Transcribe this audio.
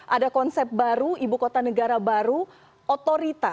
ada konsep baru ibu kota negara baru otorita